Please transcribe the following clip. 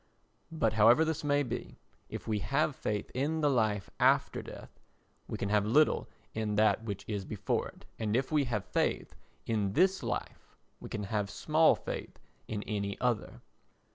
But however this may be, if we have faith in the life after death we can have little in that which is before it, and if we have faith in this life we can have small faith in any other.